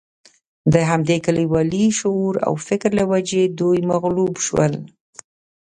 د همدې کلیوالي شعور او فکر له وجې دوی مغلوب شول.